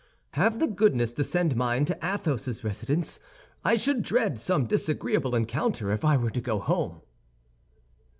"Have the goodness to send mine to Athos's residence. I should dread some disagreeable encounter if I were to go home."